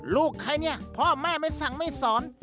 ลูกใครเนี่ยพ่อแม่ไม่สั่งไม่สอน